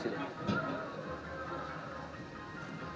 sehingga pengunjung ataupun masyarakat atau pemerintah